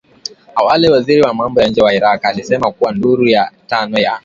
Awali waziri wa mambo ya nje wa Iraq, alisema kuwa duru ya tano ya